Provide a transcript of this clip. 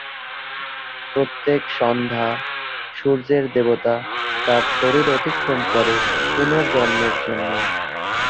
প্রত্যেক সন্ধ্যা, সূর্যের দেবতা তার শরীর অতিক্রম করে পুনর্জন্মের জন্য।